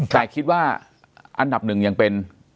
แต่คิดว่าอันดับหนึ่งยังเป็น